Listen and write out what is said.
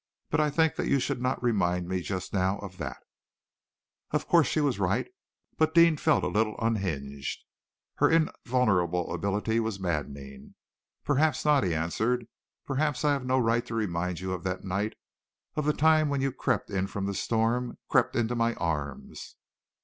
But I think that you should not remind me just now of that." Of course she was right, but Deane felt a little unhinged. Her invulnerability was maddening. "Perhaps not," he answered. "Perhaps I have no right to remind you of that night, of the time when you crept in from the storm, crept into my arms."